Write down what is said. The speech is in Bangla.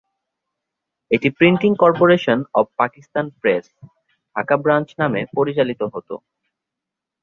এটি printing corporation of Pakistan press, Dhaka branch নামে পরিচালিত হত।